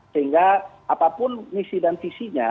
sehingga apapun misi dan visinya